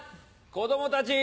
子供たち！